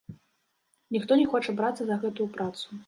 Ніхто не хоча брацца за гэтую працу.